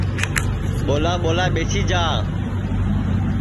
ٻولا ٻولا ٻیسی جا